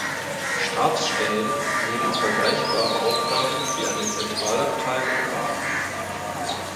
Stabsstellen nehmen vergleichbare Aufgaben wie eine Zentralabteilung wahr.